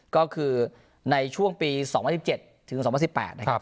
ก็คือในช่วงปีสองพันสิบเจ็ดถึงสองพันสิบแปดนะครับ